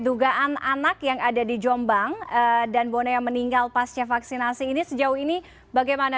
dugaan anak yang ada di jombang dan bone yang meninggal pasca vaksinasi ini sejauh ini bagaimana